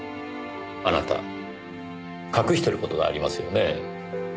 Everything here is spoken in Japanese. あなた隠してる事がありますよねぇ。